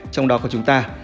trong đó có chúng ta